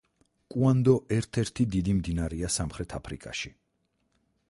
კუანდო ერთ-ერთი დიდი მდინარეა სამხრეთ აფრიკაში.